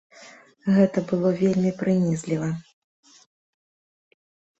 Гэта было вельмі прынізліва.